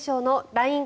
ＬＩＮＥ